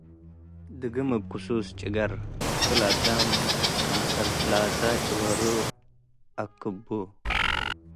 ድግም እብ ክሱስ ጭገር ክል-አዳም ክምሰል ትላጸ ጭገሩ አክቡ።